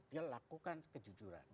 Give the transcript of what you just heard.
dia lakukan kejujuran